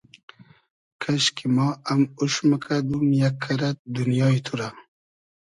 کئشکی ما ام اوش موکئدوم یئگ کئرئد دونیای تو رۂ